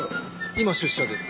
今出社です。